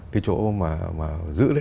cái chỗ mà giữ đấy